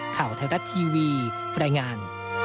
ข่าวไทยรัฐทีวีรายงาน